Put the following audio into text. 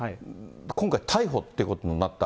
今回、逮捕っていうことになった。